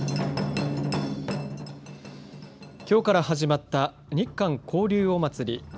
きょうから始まった日韓交流おまつり。